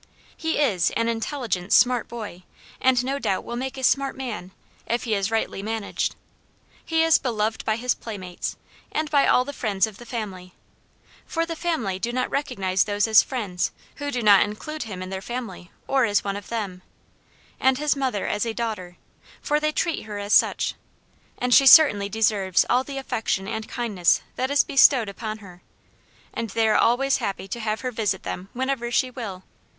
He is an intelligent, smart boy, and no doubt will make a smart man, if he is rightly managed. He is beloved by his playmates, and by all the friends of the family; for the family do not recognize those as friends who do not include him in their family, or as one of them, and his mother as a daughter for they treat her as such; and she certainly deserves all the affection and kindness that is bestowed upon her, and they are always happy to have her visit them whenever she will.